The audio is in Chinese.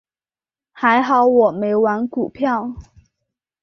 还好我没玩股票。